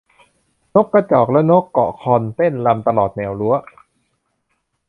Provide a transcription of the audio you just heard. นกกระจอกและนกเกาะคอนเต้นรำตลอดแนวรั้ว